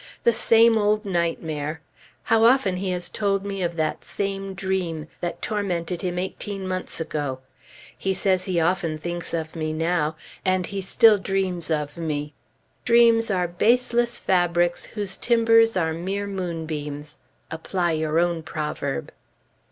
The same old nightmare. How often he has told me of that same dream, that tormented him eighteen months ago. He says he often thinks of me now and he still "dreams" of me! "Dreams are baseless fabrics whose timbers are mere moonbeams." Apply your own proverb!...